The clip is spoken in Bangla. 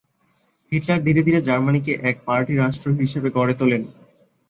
হিটলার ধীরে ধীরে জার্মানিকে এক-পার্টি রাষ্ট্র হিসেবে গড়ে তোলেন।